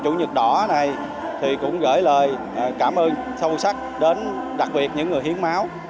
chủ nhật đỏ này thì cũng gửi lời cảm ơn sâu sắc đến đặc biệt những người hiến máu